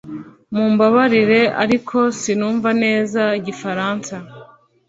Mumbabarire ariko sinumva neza igifaransa